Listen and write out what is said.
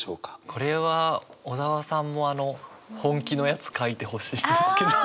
これは小沢さんもあの本気のやつ書いてほしいんですけど。